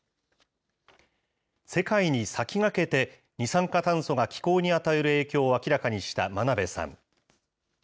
世界に先駆けて、二酸化炭素が気候に与える影響を明らかにした真鍋さん。